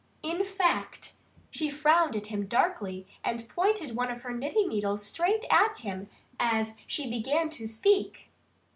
In fact, she frowned at him darkly and pointed one of her knitting needles straight at him as she began to speak.